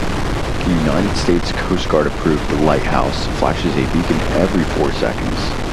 The United States Coast Guard-approved lighthouse flashes a beacon every four seconds.